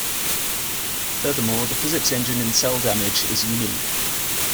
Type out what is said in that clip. Furthermore, the physics engine in "Cel Damage" is unique.